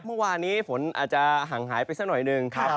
เมื่อวานนี้ฝนอาจจะห่างหายไปสักหน่อยหนึ่ง